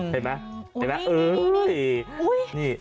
เห็นไหมเออนี่นี่